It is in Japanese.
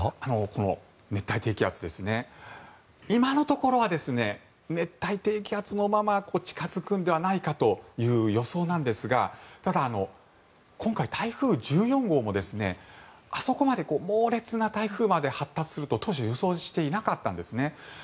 この熱帯低気圧今のところは熱帯低気圧のまま近付くんではないかという予想なんですがただ、今回、台風１４号もあそこまで猛烈な台風まで発達すると、当初は予想していなかったんですね。